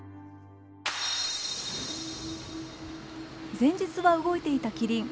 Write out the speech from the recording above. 前日は動いていたキリン。